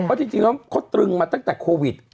เพราะจริงแล้วเขาตรึงมาตั้งแต่โควิด